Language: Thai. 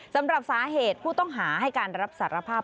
สำหรับสาเหตุผู้ต้องหาให้การรับสารภาพ